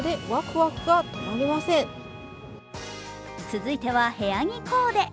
続いては部屋着コーデ。